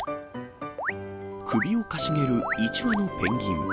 首をかしげる１羽のペンギン。